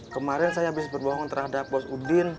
kemarin saya habis berbohong terhadap bos udin